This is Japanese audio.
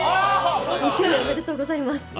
２周年おめでとうございます。